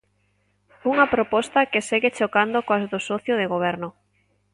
Unha proposta que segue chocando coas do socio de Goberno.